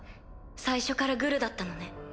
最初からグルだったのね。